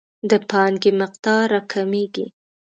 د پانګې مقدار راکمیږي.